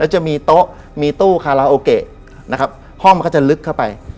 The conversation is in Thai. จะมีโต๊ะมีตู้คาราโอเกะนะครับห้องมันก็จะลึกเข้าไป